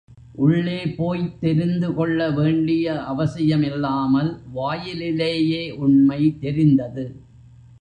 உள்ளே போய்த் தெரிந்துகொள்ள வேண்டிய அவசியமில்லாமல் வாயிலிலேயே உண்மை தெரிந்தது.